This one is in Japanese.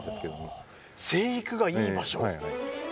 生育がいい場所。